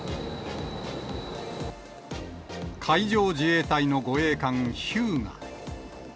海上自衛隊の護衛艦ひゅうが。